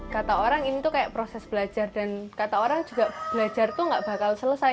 kata orang ini tuh kayak proses belajar dan kata orang juga belajar tuh gak bakal selesai